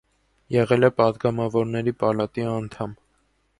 Եղել է պատգամավորների պալատի անդամ։